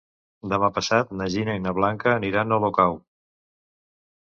Demà passat na Gina i na Blanca aniran a Olocau.